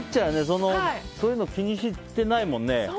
そういうのを気にしてないもんね。